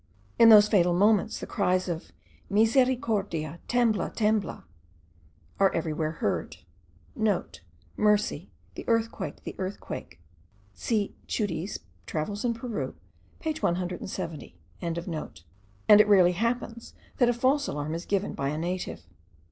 In those fatal moments the cries of 'misericordia! tembla! tembla!'* are everywhere heard (* "Mercy! the earthquake! the earthquake!" See Tschudi's Travels in Peru page 170.); and it rarely happens that a false alarm is given by a native.